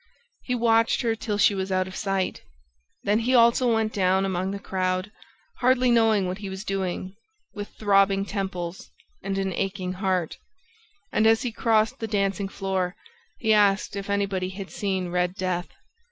He watched her till she was out of sight. Then he also went down among the crowd, hardly knowing what he was doing, with throbbing temples and an aching heart; and, as he crossed the dancing floor, he asked if anybody had seen Red Death.